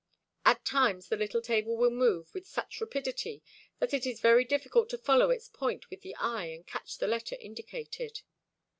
At times the little table will move with such rapidity that it is very difficult to follow its point with the eye and catch the letter indicated.